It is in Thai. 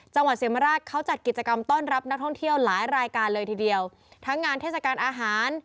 จังหวัดเสียมราชเขาจัดกิจกรรมต้อนรับนักท่องเที่ยวหลายรายการเลยทีเดียวทั้งงานเทศกาลอาหาร